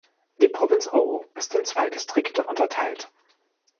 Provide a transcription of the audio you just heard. Die Provinz Oro ist in zwei Distrikte unterteilt.